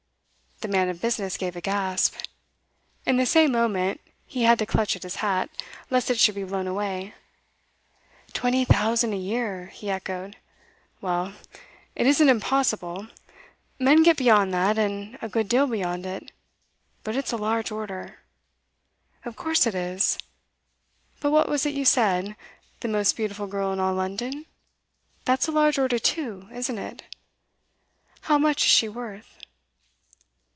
The man of business gave a gasp. In the same moment he had to clutch at his hat, lest it should be blown away. 'Twenty thousand a year?' he echoed. 'Well, it isn't impossible. Men get beyond that, and a good deal beyond it. But it's a large order.' 'Of course it is. But what was it you said? The most beautiful girl in all London? That's a large order, too, isn't it? How much is she worth?